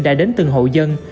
đã đến từng hộ dân